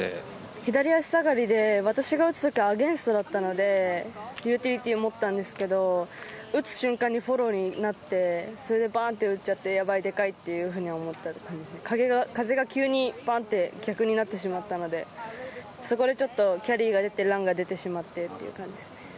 左足下がりで私が打つ時はアゲンストだったのでユーティリティーを持ったんですけど打つ瞬間にフォローになってそれでバンッて打っちゃってやばい、でかいと思った感じで風が急に逆になってしまったのでそこでちょっとキャリーが出てランが出てしまってという感じですね。